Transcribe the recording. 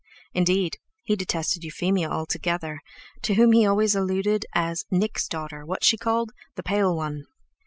Indeed, he detested Euphemia altogether, to whom he always alluded as "Nick's daughter, what's she called—the pale one?"